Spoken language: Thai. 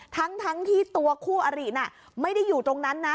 ทั้งที่ตัวคู่อริน่ะไม่ได้อยู่ตรงนั้นนะ